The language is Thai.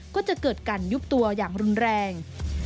ก็จะเกิดการยุบตัวอย่างรุนแรง